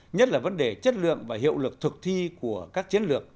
nhất là vấn đề chất lượng và hiệu lực thực thi của các chiến lược